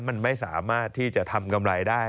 มันไม่สามารถที่จะทำกำไรได้